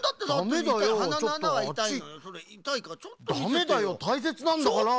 ダメだよたいせつなんだから！